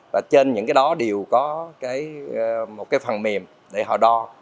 và trên những cái đó đều có một cái phần mềm để họ đo